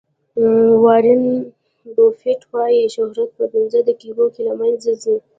وارن بوفیټ وایي شهرت په پنځه دقیقو کې له منځه ځي.